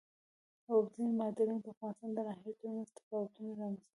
اوبزین معدنونه د افغانستان د ناحیو ترمنځ تفاوتونه رامنځ ته کوي.